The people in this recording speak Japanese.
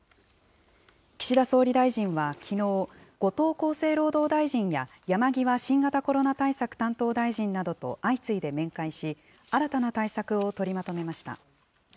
岸田総理大臣はきのう、後藤厚生労働大臣や山際新型コロナ対策担当大臣などと相次いで面会し、新たな対策を取りまとめました。